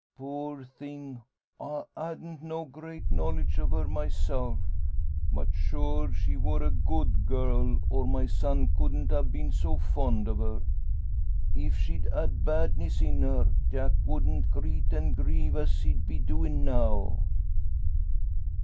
Poor thing! I hadn't no great knowledge of her myself; but sure she wor a good girl, or my son couldn't a been so fond o' her. If she'd had badness in her, Jack wouldn't greet and grieve as he be doin' now."